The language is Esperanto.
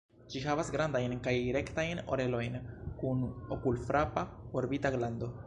Ĝi havas grandajn kaj rektajn orelojn, kun okulfrapa orbita glando.